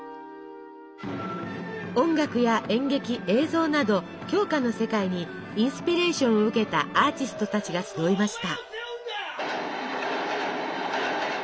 音楽や演劇映像など鏡花の世界にインスピレーションを受けたアーティストたちが集いました。